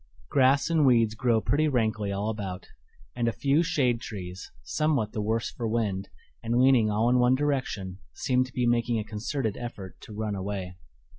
Grass and weeds grow pretty rankly all about, and a few shade trees, somewhat the worse for wind, and leaning all in one direction, seem to be making a concerted effort to run away.